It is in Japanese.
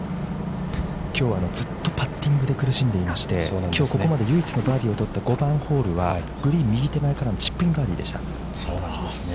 ◆きょうはずっとパッティングで苦しんでいましてきょう、ここまで唯一のバーディーをとった５番ホールは、グリーン右手前からのチップインバーディーでした。